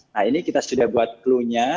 nah ini kita sudah buat klunya